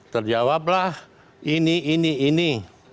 terjawablah ini ini ini